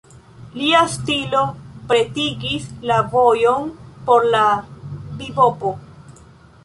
Lia stilo pretigis la vojon por la bibopo.